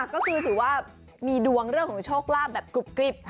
ก็คือถือว่ามีดวงเรื่องของโชคลาภแบบกรุบกริบ